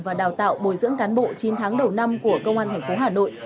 và đào tạo bồi dưỡng cán bộ chín tháng đầu năm của công an tp hà nội